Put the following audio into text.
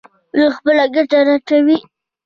دوی خپله ګټه لټوي.